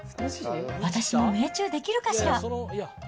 私も命中できるかしら？